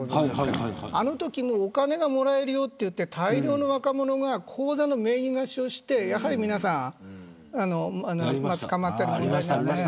あのときもお金をもらえるよといって大量の若者が口座の名義貸しをしてやはり皆さん捕まったりしていました。